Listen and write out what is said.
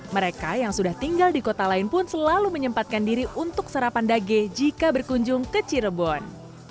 mereka yang sudah tinggal di kota lain pun selalu menyempatkan diri untuk serapan dage jika berkunjung ke cirebon